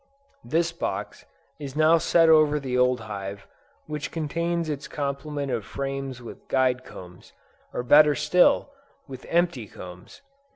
This box is now set over the old hive, which contains its complement of frames with guide combs, or better still, with empty combs.